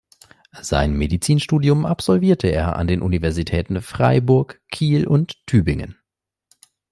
Sein Medizinstudium absolvierte er an den Universitäten Freiburg, Kiel und Tübingen.